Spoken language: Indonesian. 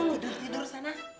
tidur tidur sana